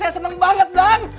saya seneng banget dang